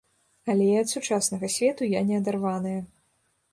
Але і ад сучаснага свету я не адарваная.